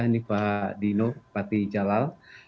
ini pak dino patijalal